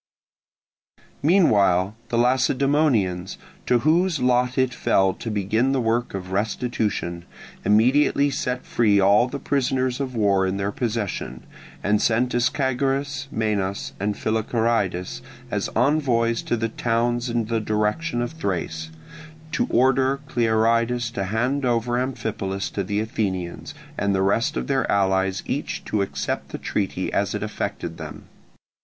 Meanwhile the Lacedaemonians, to whose lot it fell to begin the work of restitution, immediately set free all the prisoners of war in their possession, and sent Ischagoras, Menas, and Philocharidas as envoys to the towns in the direction of Thrace, to order Clearidas to hand over Amphipolis to the Athenians, and the rest of their allies each to accept the treaty as it affected them.